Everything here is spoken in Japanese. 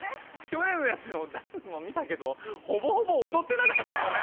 去年のやつのダンスも見たけど、ほぼほぼ踊ってなかったよね。